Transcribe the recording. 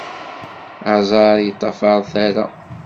Aẓar yeṭṭafar tara.